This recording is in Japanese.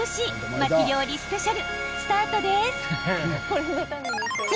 巻き料理スペシャルスタートです。